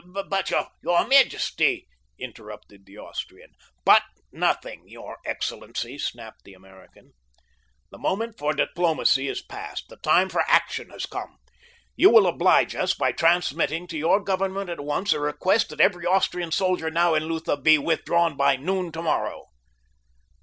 "But, your majesty—" interrupted the Austrian. "But nothing, your excellency," snapped the American. "The moment for diplomacy is passed; the time for action has come. You will oblige us by transmitting to your government at once a request that every Austrian soldier now in Lutha be withdrawn by noon tomorrow."